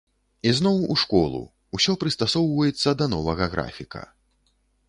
Ізноў у школу, усё прыстасоўваецца да новага графіка.